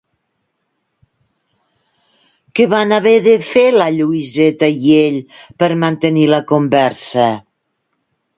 Què van haver de fer la Lluïseta i ell per mantenir la conversa?